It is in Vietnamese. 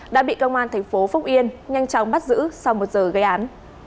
đã bị công an thành phố phúc yên nhanh chóng bắt giữ sau một giờ gây án